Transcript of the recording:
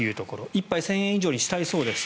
１杯１０００円以上にしたいそうです。